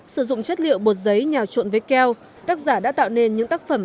sử dụng chất liệu bột giấy nhào trộn với keo tác giả đã tạo nên những tác phẩm